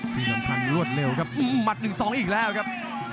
ที่สำคัญรวดเร็วครับหมัด๑๒อีกแล้วครับ